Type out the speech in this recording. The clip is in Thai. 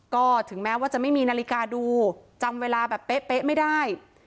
ก็ถึงแม้ว่าจะไม่มีนาฬิกาดูจำเวลาแบบเป๊ะไม่ได้